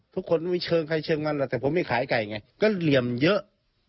ไม่มีเชิงใครเชิงมันหรอกแต่ผมไม่ขายไก่ไงก็เหลี่ยมเยอะ